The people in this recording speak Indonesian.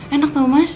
enak tuh mas